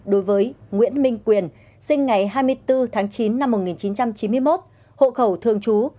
đối với nguyễn minh quyền sinh ngày hai mươi bốn tháng chín năm một nghìn chín trăm chín mươi một hộ khẩu thường trú